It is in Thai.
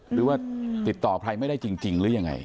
หรือว่าติดต่อใครไม่ได้จริงหรือยังไง